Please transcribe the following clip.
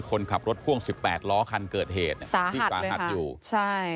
คนขับรถพ่วงสิบแปดล้อคันเกิดเหตุอ่ะใช่ที่สาหัสอยู่ใช่